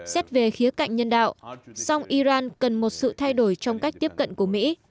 xét về khía cạnh nhân đạo song iran cần một sự thay đổi trong cách tiếp cận của mỹ